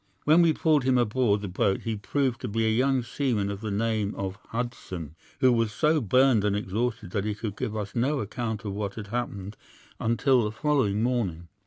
When we pulled him aboard the boat he proved to be a young seaman of the name of Hudson, who was so burned and exhausted that he could give us no account of what had happened until the following morning.